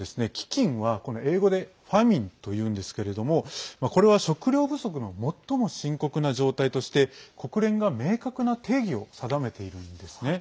飢きんは、英語でＦａｍｉｎｅというんですけれどもこれは食糧不足の最も深刻な状態として国連が明確な定義を定めているんですね。